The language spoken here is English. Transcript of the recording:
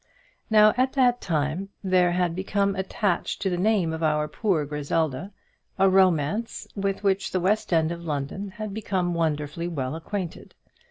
Now at that time there had become attached to the name of our poor Griselda a romance with which the west end of London had become wonderfully well acquainted.